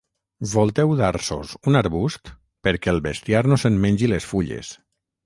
Volteu d'arços un arbust perquè el bestiar no se'n mengi les fulles.